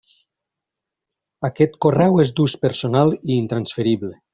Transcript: Aquest correu és d'ús personal i intransferible.